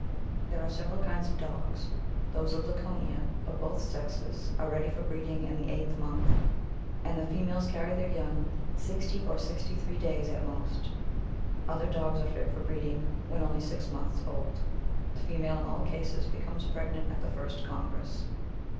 There are several kinds of dogs ; those of Laconia/ of both sexes, are ready for breeding in the eighth month, and the females carry their young sixty or sixty three days at most ; other dogs are fit for breeding when only six months old ; the female, in all cases, becomes pregnant at the first congress.